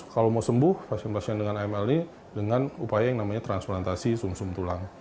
kalau mau sembuh pasien pasien dengan aml ini dengan upaya yang namanya transplantasi sum sum tulang